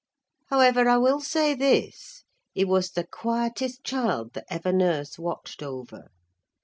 However, I will say this, he was the quietest child that ever nurse watched over.